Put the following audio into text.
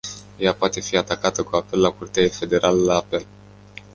Ea poate fi atacată cu apel la curtea federală de apel.